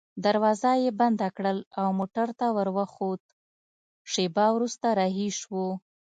دروازه يې بنده کړل او موټر ته وروخوت، شېبه وروسته رهي شوو.